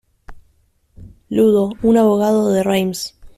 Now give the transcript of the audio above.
Ludo, un abogado de Reims.